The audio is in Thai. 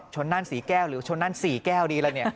ชนน่านสี่แก้วหรือชนน่านสี่แก้วดีแล้ว